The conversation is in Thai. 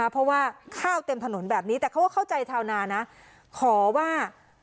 เพราะว่าข้าวเต็มถนนแบบนี้แต่เขาก็เข้าใจชาวนานะขอว่า